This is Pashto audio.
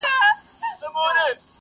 یوه ورځ یې زوی له ځان سره سلا سو